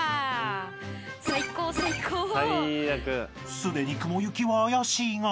［すでに雲行きは怪しいが］